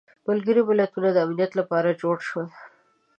ملګري ملتونه د امنیت لپاره جوړ شول.